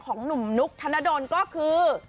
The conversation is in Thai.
ของหนุ่มนุกธนดลก็คือ